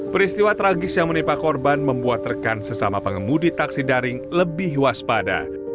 peristiwa tragis yang menimpa korban membuat rekan sesama pengemudi taksi daring lebih waspada